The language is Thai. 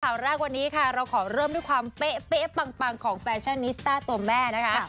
ข่าวแรกวันนี้ค่ะเราขอเริ่มด้วยความเป๊ะปังของแฟชั่นนิสต้าตัวแม่นะคะ